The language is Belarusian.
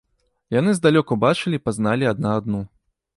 Яны здалёк убачылі і пазналі адна адну.